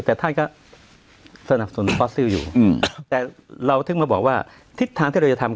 แต่ท่านก็สนับสนุนฟอสซิลอยู่อืมแต่เราถึงมาบอกว่าทิศทางที่เราจะทำ